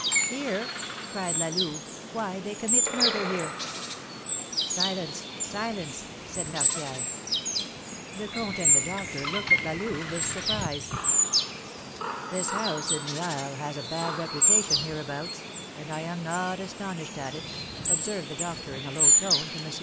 "Here?" cried La Louve; "why, they commit murder here!" "Silence silence!" said Martial. The comte and the doctor looked at La Louve with surprise. "This house in the isle has a bad reputation hereabouts, and I am not astonished at it," observed the doctor, in a low tone, to M. de Saint Remy.